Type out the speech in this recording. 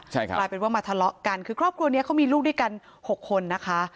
ใช่ครับกลายเป็นว่ามาทะเลาะกันคือครอบครัวนี้เขามีลูกด้วยกัน๖คนนะคะ